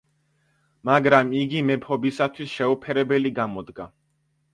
მაგრამ იგი მეფობისათვის შეუფერებელი გამოდგა.